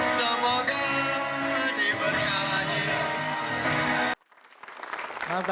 semoga diberi alatnya